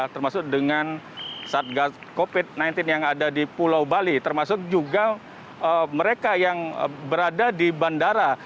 termasuk dengan satgas covid sembilan belas yang ada di pulau bali termasuk juga mereka yang berada di bandara